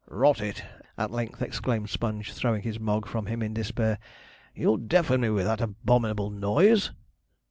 'Rot it!' at length exclaimed Sponge, throwing his Mogg from him in despair, 'you'll deafen me with that abominable noise.'